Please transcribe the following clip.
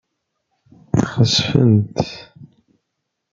Xesfent.